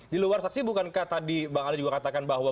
di luar saksi bukankah tadi bang ali juga katakan bahwa